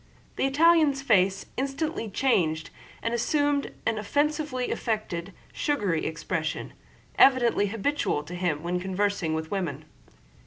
The Italian's face instantly changed and assumed an offensively affected, sugary expression, evidently habitual to him when conversing with women.